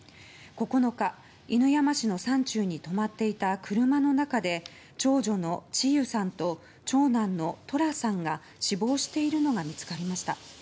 ９日、犬山市の山中に止まっていた車の中で長女の千結さんと長男の十楽さんが死亡しているのが見つかりました。